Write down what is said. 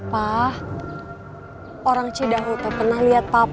pak orang cidahutel pernah lihat papa